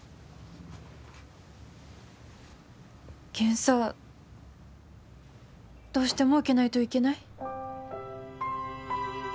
検査どうしても受けないといけない？